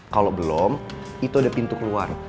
kalau belum itu ada pintu keluar